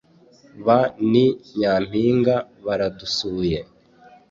ba ni nyampinga baradusuye